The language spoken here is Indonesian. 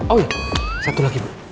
oh iya satu lagi